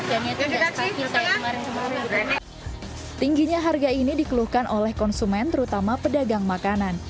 tingginya harga ini dikeluhkan oleh konsumen terutama pedagang makanan